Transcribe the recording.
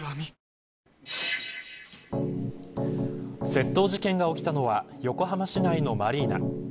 窃盗事件が起きたのは横浜市内のマリーナ。